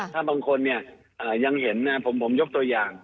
ถ้าบางคนยังเห็นผมยกตัวอย่าง